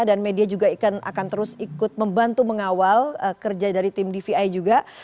dan media juga akan terus ikut membantu mengawal kerja dari tim dvi juga